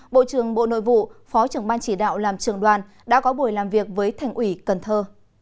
bộ trưởng bộ nội vụ phó trưởng ban chỉ đạo làm trường đoàn đã có buổi làm việc với thành ủy cần thơ